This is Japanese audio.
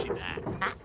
あっ。